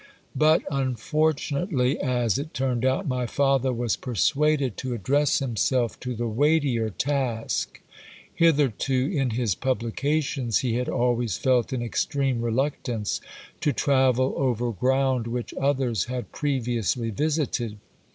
But, unfortunately as it turned out, my father was persuaded to address himself to the weightier task. Hitherto, in his publications, he had always felt an extreme reluctance to travel over ground which others had previously visited.